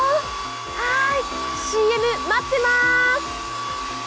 はい、ＣＭ、待ってまーす！